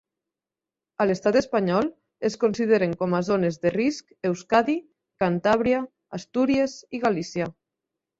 A l'estat espanyol, es consideren com a zones de risc Euskadi, Cantàbria, Astúries i Galícia.